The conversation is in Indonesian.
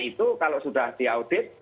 itu kalau sudah diaudit